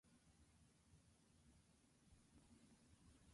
He studied at the San Felipe and Maldonado schools in the city.